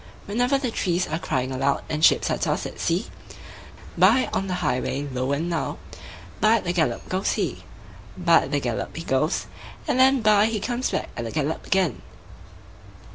Whenever the trees are crying aloud, And ships are tossed at sea, By, on the highway, low and loud, By at the gallop goes he. By at the gallop he goes, and then By he comes back at the gallop again.